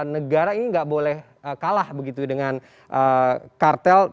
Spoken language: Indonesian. negara ini enggak boleh kalah begitu ya dengan kartel